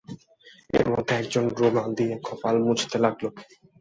এর মধ্যে এক জন রুমাল দিয়ে কপাল মুছতে লাগল।